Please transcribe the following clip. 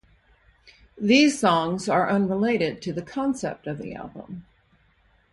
These songs are unrelated to the concept of the album.